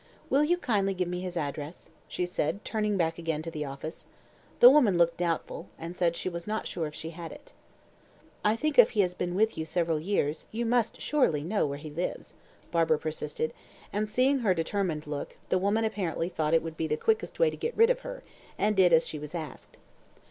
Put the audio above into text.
"Will you kindly give me his address?" she said, turning back again to the office. The woman looked doubtful, and said she was not sure if she had it. "I think if he has been with you several years, you must surely know where he lives," Barbara persisted; and seeing her determined look, the woman apparently thought it would be the quickest way to get rid of her, and did as she was asked.